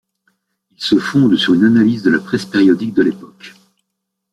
Il se fonde sur une analyse de la presse périodique de l'époque.